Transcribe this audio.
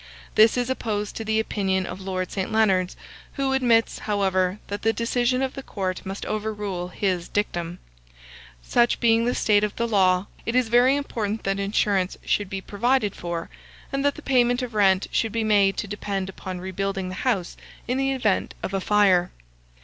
This is opposed to the opinion of Lord St. Leonards, who admits, however, that the decision of the court must overrule his dictum. Such being the state of the law, it is very important that insurance should be provided for, and that the payment of rent should be made to depend upon rebuilding the house in the event of a fire.